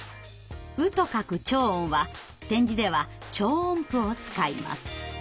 「う」と書く長音は点字では長音符を使います。